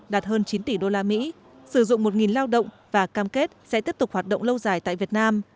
đạt hơn chín tỷ đô la mỹ sử dụng một lao động và cam kết sẽ tiếp tục hoạt động lâu dài tại việt nam